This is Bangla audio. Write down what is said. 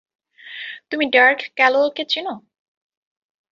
তুমি ডার্ক ক্যালোওয়েকে চেনো?